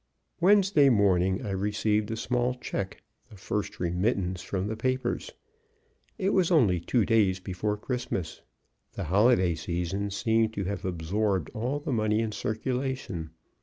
Wednesday morning I received a small check, the first remittance from the papers. It was only two days before Christmas. The Holiday season seemed to have absorbed all the money in circulation.